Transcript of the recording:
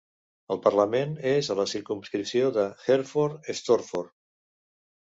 Al Parlament, és a la circumscripció de Hertford i Stortford.